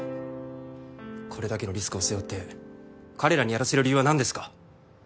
これだけのリスクを背負って彼らにやらせる理由は何ですか？